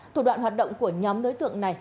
thủ đoạn hoạt động của nhóm đối tượng này